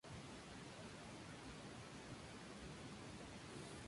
El espíritu guía de Peter resulta ser el Fonz.